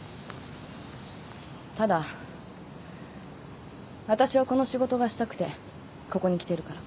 ただわたしはこの仕事がしたくてここに来てるから。